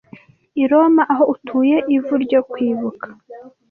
i roma aho utuye ivu ryo kwibuka